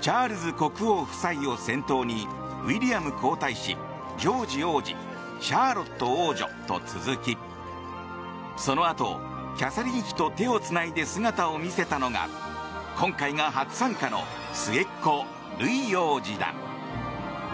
チャールズ国王夫妻を先頭にウィリアム皇太子、ジョージ王子シャーロット王女と続きそのあとキャサリン妃と手をつないで姿を見せたのが今回が初参加の末っ子ルイ王子だ。